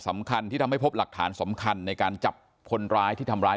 สำคัญที่ทำให้พบหลักฐานสำคัญในการจับคนร้ายที่ทำร้าย